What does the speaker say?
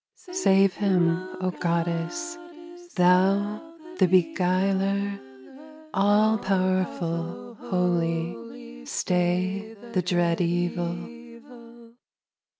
Save him, O Goddess! Thou, the beguiler, All powerful, holy, Stay the dread evil.